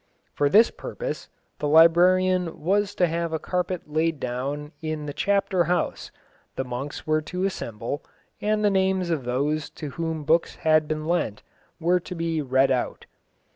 For this purpose, the librarian was to have a carpet laid down in the Chapter House, the monks were to assemble, and the names of those to whom books had been lent were to be read out.